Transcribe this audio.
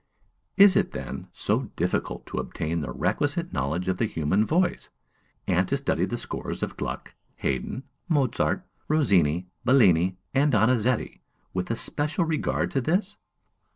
Is it, then, so difficult to obtain the requisite knowledge of the human voice, and to study the scores of Gluck, Haydn, Mozart, Rossini, Bellini, and Donizetti with a special regard to this?